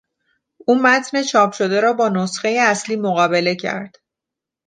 او متن چاپ شده را با نسخه اصلی مقابله کرد.